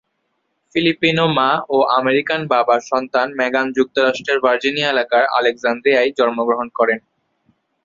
Filipino মা ও American বাবার সন্তান মেগান যুক্তরাষ্ট্রের ভার্জিনিয়া এলাকার আলেকজান্দ্রিয়ায় জন্মগ্রহণ করেন।